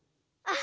あ。